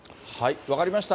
分かりました。